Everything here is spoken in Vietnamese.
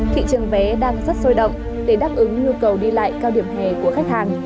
thị trường vé đang rất sôi động để đáp ứng nhu cầu đi lại cao điểm hè của khách hàng